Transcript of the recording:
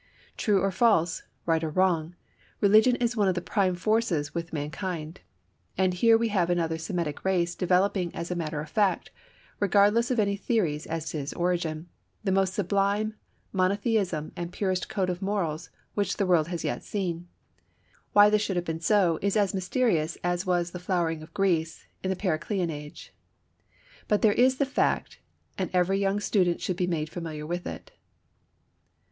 True or false, right or wrong, religion is one of the prime forces with mankind. And here we have another Semitic race developing as a matter of fact, regardless of any theories as to its origin, the most sublime monotheism and the purest code of morals which the world had yet seen. Why this should have been so is as mysterious as was the flowering of Greece in the Periclean age. But there is the fact, and every young student should be made familiar with it.